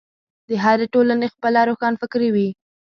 د هرې ټولنې خپله روښانفکري وي.